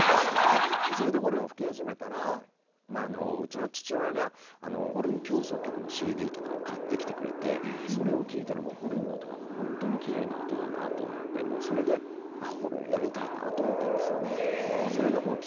それでホルンを吹き始めたらうちの父親が「ホルン協奏曲」のＣＤとかを買ってきてくれてそれを聴いたらもうホルンの音が本当にきれいな音だなと思ってそれでああホルンやりたいなと思ったんですよね。